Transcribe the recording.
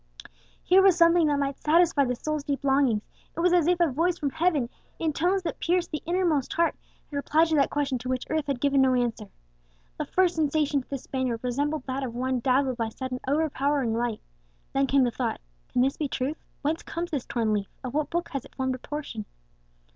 Here was something that might satisfy the soul's deep longings; it was as if a voice from heaven, in tones that pierced the inmost heart, had replied to that question to which earth had given no answer. The first sensation to the Spaniard resembled that of one dazzled by sudden overpowering light. Then came the thought, "Can this be truth? Whence comes this torn leaf; of what book has it formed a portion?"